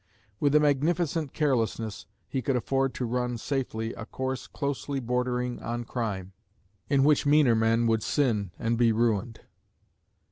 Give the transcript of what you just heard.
With a magnificent carelessness he could afford to run safely a course closely bordering on crime, in which meaner men would sin and be ruined.